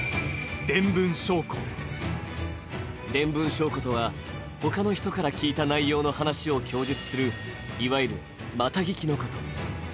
伝聞証拠とは、他の人から聞いた内容の話を供述するいわゆる、また聞きのこと。